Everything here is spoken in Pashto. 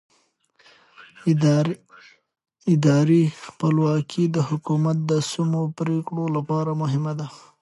اداري خپلواکي د حکومت د سمو پرېکړو لپاره مهمه ده